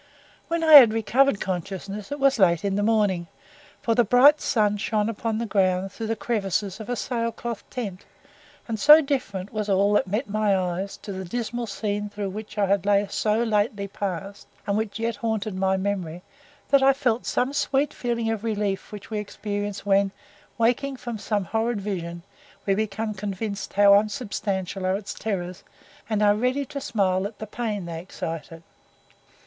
When I recovered consciousness it was late in the morning, for the bright sun shone upon the ground through the crevices of a sail cloth tent, and so different was all that met my eyes to the dismal scene through which I had so lately passed, and which yet haunted my memory, that I felt that sweet feeling of relief which we experience when, waking from some horrid vision, we become convinced how unsubstantial are its terrors, and are ready to smile at the pain they excited.